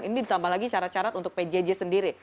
ini ditambah lagi syarat syarat untuk pjj sendiri